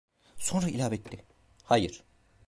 Sonra ilave etti: "Hayır…"